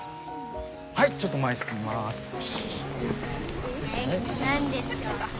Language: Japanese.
はいちょっと前進みます。